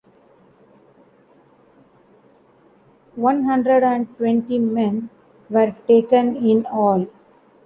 One hundred and twenty men were taken in all.